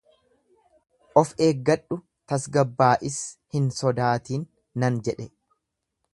Of eeggadhu, tasgabbaa'is, hin sodaatin nan jedhe.